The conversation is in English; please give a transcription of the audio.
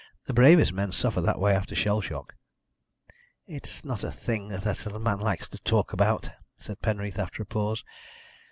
"The bravest men suffer that way after shell shock." "It's not a thing a man likes to talk about," said Penreath, after a pause.